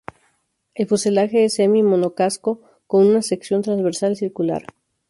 El fuselaje es semi-monocasco con una sección transversal circular.